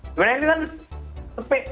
sebenarnya itu kan sepi